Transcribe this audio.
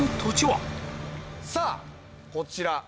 さぁこちら。